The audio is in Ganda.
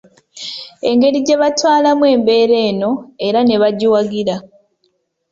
Engeri gyebatwalamu embeera eno era ne bagiwagira.